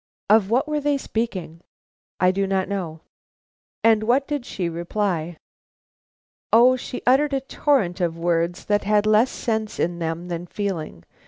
'" "Of what were they speaking?" "I do not know." "And what did she reply?" "O, she uttered a torrent of words that had less sense in them than feeling.